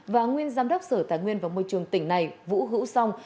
và nguyên giám đốc sở tài nguyên và môi trường tỉnh này vũ hữu song